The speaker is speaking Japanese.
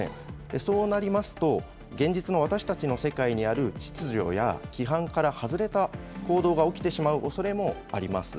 そうなりますと、現実の私たちの世界にある秩序や規範から外れた行動が起きてしまうおそれもあります。